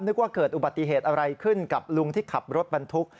ว่าเกิดอุบัติเหตุอะไรขึ้นกับลุงที่ขับรถบรรทุก